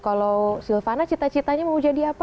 kalau silvana cita citanya mau jadi apa